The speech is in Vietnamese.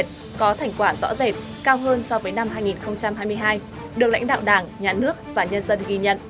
có thành quả rõ rệt cao hơn so với năm hai nghìn hai mươi hai được lãnh đạo đảng nhà nước và nhân dân ghi nhận